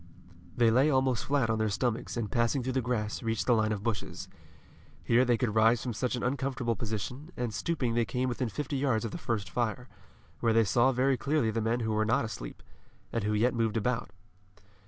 They lay almost flat on their stomachs, and passing through the grass, reached the line of bushes. Here they could rise from such an uncomfortable position, and stooping they came within fifty yards of the first fire, where they saw very clearly the men who were not asleep, and who yet moved about.